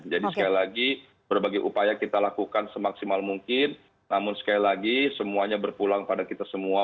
jadi sekali lagi berbagai upaya kita lakukan semaksimal mungkin namun sekali lagi semuanya berpulang pada kita semua